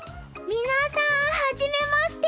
皆さん初めまして。